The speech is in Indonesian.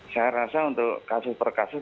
saya rasa untuk kasus per kasus